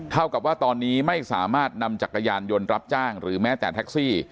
เท่ากับว่าตอนนี้ไม่สามารถนำจักรยานยนต์รับจ้างหรือแม้แต่แท็กซี่